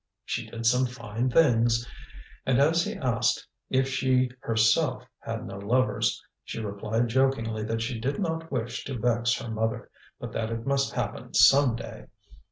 she did some fine things! And as he asked if she herself had no lovers, she replied jokingly that she did not wish to vex her mother, but that it must happen some day.